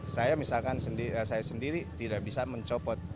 saya misalkan saya sendiri tidak bisa mencopot